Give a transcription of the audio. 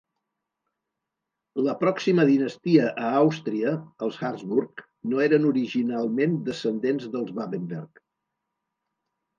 La pròxima dinastia a Àustria (els Habsburg) no eren originalment descendents dels Babenberg.